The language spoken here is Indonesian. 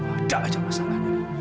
ada aja masalahnya